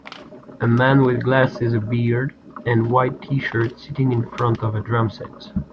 a man with glasses a beard and white tshirt sitting in front of a drum set.